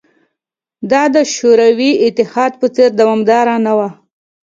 دا د شوروي اتحاد په څېر دوامداره نه وه